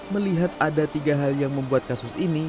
melihat ada tiga hal yang membuat kasus ini